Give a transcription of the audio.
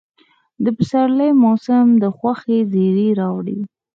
د پسرلي موسم د خوښۍ زېرى راوړي.